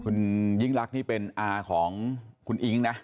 คุณยิ่งรักนี่เป็นอาของคุณอิ๊งนะ